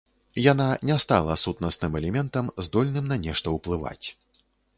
Яна не стала сутнасным элементам, здольным на нешта ўплываць.